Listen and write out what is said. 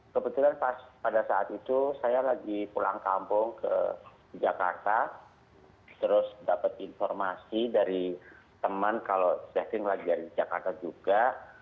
kebetulan pada saat itu saya lagi pulang kampung ke jakarta terus dapat informasi dari teman kalau saving lagi dari jakarta juga